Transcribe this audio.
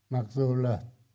mặc dù là